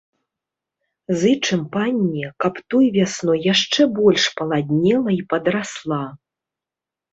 Зычым панне, каб той вясной яшчэ больш паладнела і падрасла.